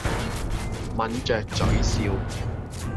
抿着嘴笑。